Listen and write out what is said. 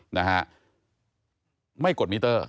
นะฮะไม่กดมิเตอร์